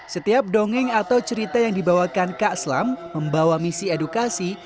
setiap dongeng atau cerita yang dibawakan kak slam membawa misi edukasi